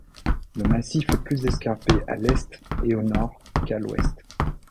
Le massif est plus escarpé à l'est et au nord qu'à l'ouest.